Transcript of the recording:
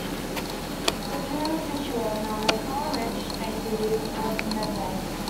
The tomb is situated on a small ridge facing east, towards the Medway.